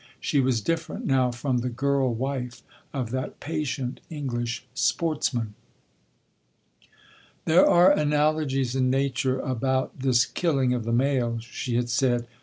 She was different now from the girl wife of that patient English sportsman. "There are analogies in nature about this killing of the male," she had said.